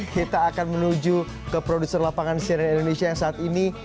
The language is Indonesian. kita akan menuju ke produser lapangan cnn indonesia yang saat ini